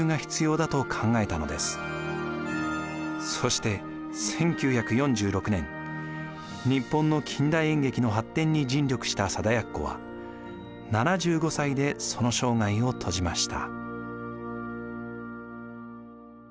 そして１９４６年日本の近代演劇の発展に尽力した貞奴は７５歳でその生涯を閉じました。